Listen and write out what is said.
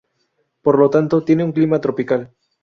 Por lo tanto, tiene un clima tropical.